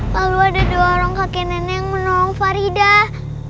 lalu ada dua orang kakek nenek yang menolong faridah